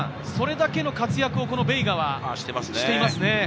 それだけの活躍をベイガはしていますね。